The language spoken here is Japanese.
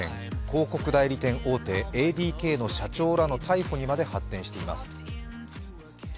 広告代理店大手、ＡＤＫの社長らの逮捕にまで発展しています。